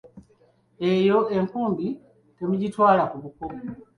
Eyo enkumbi temugitwala ku buko.